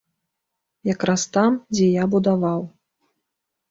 Якраз там, дзе я будаваў.